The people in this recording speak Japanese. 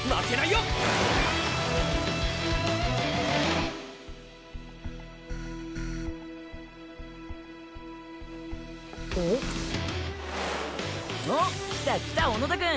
うん？おっ来た来た小野田くん。